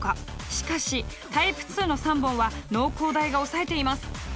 しかしタイプ２の３本は農工大が抑えています。